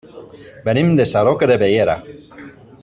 Venim de Sarroca de Bellera.